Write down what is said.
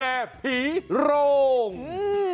แค่ผีโร่ง